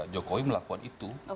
jokowi melakukan itu